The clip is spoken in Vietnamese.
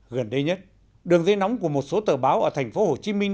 gần đây nhất đường dây nóng của một số tờ báo ở thành phố hồ chí minh